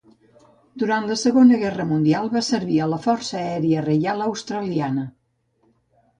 Durant la Segona Guerra Mundial va servir a la Força Aèria Reial Australiana.